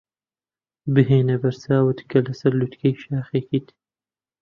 بهێنە بەرچاوت کە لەسەر لووتکەی شاخێکیت.